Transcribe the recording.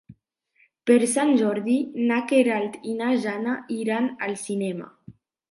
Per Sant Jordi na Queralt i na Jana iran al cinema.